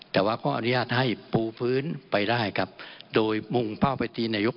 แต่ว่าก็อนุญาตให้ปูพื้นไปได้ครับโดยมุ่งเป้าไปตีนายก